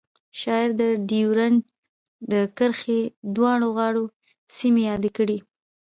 شاعر د ډیورنډ د کرښې دواړو غاړو سیمې یادې کړې